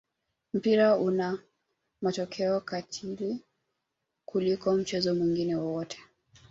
mpira una matokeo katili kuliko mchezo mwingine wowote